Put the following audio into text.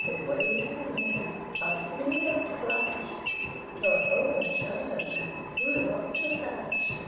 Away to the window I flew like a flash, Tore open the shutters and threw up the sash.